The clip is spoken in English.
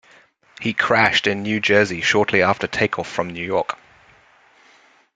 He crashed in New Jersey shortly after take-off from New York.